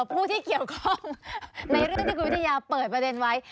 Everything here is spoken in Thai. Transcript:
ผู้ที่เกี่ยวข้องในเรื่องที่คุณวิทยาเปิดประเด็นไว้